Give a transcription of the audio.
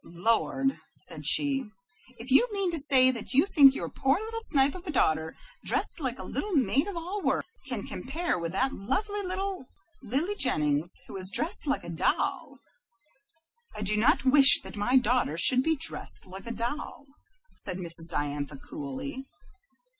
"Lord," said she, "if you mean to say that you think your poor little snipe of a daughter, dressed like a little maid of all work, can compare with that lovely little Lily Jennings, who is dressed like a doll! " "I do not wish that my daughter should be dressed like a doll," said Mrs. Diantha, coolly.